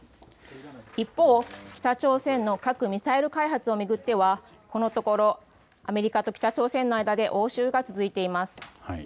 一方、北朝鮮の核・ミサイル開発を巡ってはこのところアメリカと北朝鮮の間で応酬が続いています。